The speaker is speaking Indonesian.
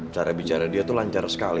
cara bicara dia tuh lancar sekali